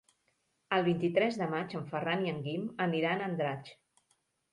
El vint-i-tres de maig en Ferran i en Guim aniran a Andratx.